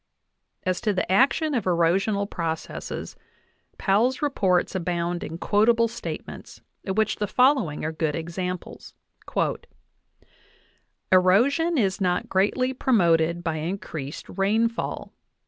As to the action of erosional processes, Powell's reports abound in quotable statements, of which the following are good examples : "Erosion is not greatly promoted by increased rainfall.